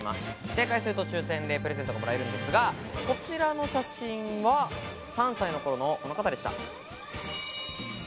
正解すると抽選でプレゼントがもらえるんですが、こちらの写真は３歳の頃のこの方でした。